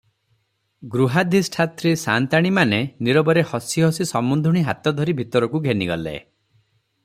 ଗୃହାଧିଷ୍ଠାତ୍ରୀ ସାଆନ୍ତାଣୀମାନେ ନୀରବରେ ହସି ହସି ସମୁନ୍ଧୁଣୀ ହାତଧରି ଭିତରକୁ ଘେନିଗଲେ ।